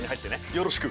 よろしく！